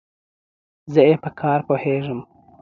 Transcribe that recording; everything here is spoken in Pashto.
زه ئې په کار پوهېږم.